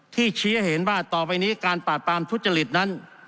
ชี้ให้เห็นว่าต่อไปนี้การปราบปรามทุจริตนั้น